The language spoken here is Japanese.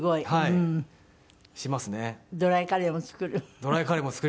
ドライカレーも作る？